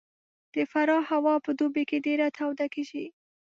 د فراه هوا په دوبي کې ډېره توده کېږي